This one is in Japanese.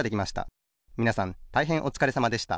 みなさんたいへんおつかれさまでした